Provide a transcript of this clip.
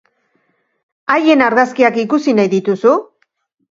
Haien argazkiak ikusi nahi dituzu?